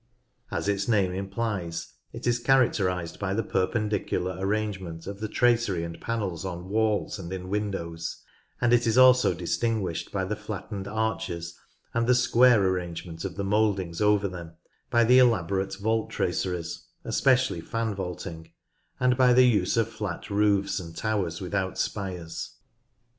As its name implies, it is characterised by the perpendicular arrange ment of the tracery and panels on walls and in windows, and it is also distinguished by the flattened arches and the O J square arrangement 0$ the mouldings oxer them, by the St Patrick's Chapel, Heysham elaborate vault traceries (especially fan vaulting), and by the use of flat roofs and towers without spires.